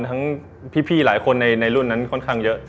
ทั้งพี่หลายคนในรุ่นนั้นค่อนข้างเยอะ